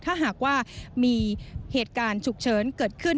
ถ้าหากว่ามีเหตุการณ์ฉุกเฉินเกิดขึ้น